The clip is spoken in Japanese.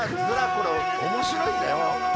これ面白いんだよ。